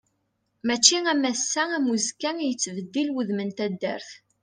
Mačči am ass-a am uzekka i yettbeddil wudem n taddart.